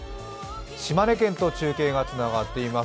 島根県と中継がつながっています。